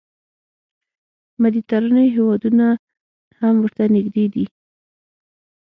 مدیترانې هېوادونه هم ورته نږدې دي.